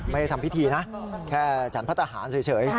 ไม่ได้ทำพิธีนะแค่ฉันพระทหารเฉย